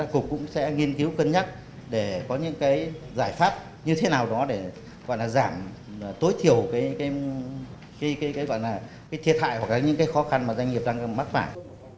cục cũng sẽ nghiên cứu cân nhắc để có những giải pháp như thế nào đó để giảm tối thiểu thiệt hại hoặc những khó khăn mà doanh nghiệp đang mắc phải